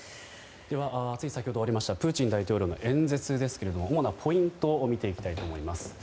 つい先ほど終わりましたプーチン大統領の演説ですが主なポイントを見ていきたいと思います。